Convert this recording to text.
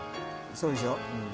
そうでしょ？